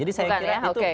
jadi saya kira itu